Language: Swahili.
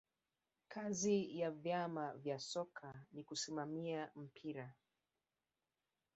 kazi ya vyama vya soka ni kusimamia mpira